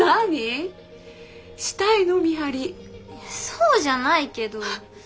そうじゃないけど。